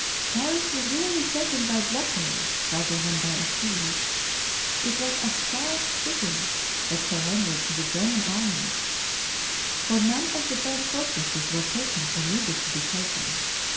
Paris was really taken by blockade rather than by a siege. It was a starved city that surrendered to the German armies, for none of the great fortresses were taken or needed to be taken.